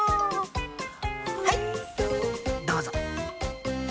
はいどうぞ。